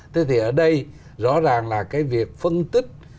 thế thì ở đây rõ ràng là cái việc phân tích